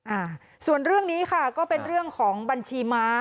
อ่าส่วนเรื่องนี้ค่ะก็เป็นเรื่องของบัญชีม้า